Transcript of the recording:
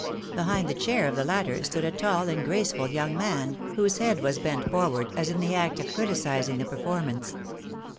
Behind the chair of the latter stood a tall and graceful young man, whose head was bent forward as in the act of criticising the performance.